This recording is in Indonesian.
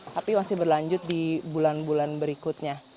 tapi masih berlanjut di bulan bulan berikutnya